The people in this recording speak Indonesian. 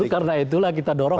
karena itulah kita dorong